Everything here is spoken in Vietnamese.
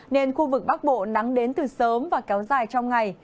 nên khu vực bắc bộ nắng đến từ sớm và kéo dài trong ngày